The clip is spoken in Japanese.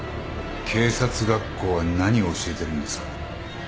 警察学校は何を教えてるんですか？